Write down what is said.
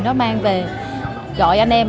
đó mang về gọi anh em